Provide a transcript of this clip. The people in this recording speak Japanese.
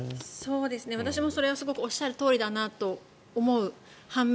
私もそれはすごくおっしゃるとおりだなと思う半面